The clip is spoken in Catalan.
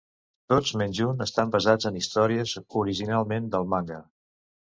Tots menys un estan basats en històries originalment del manga.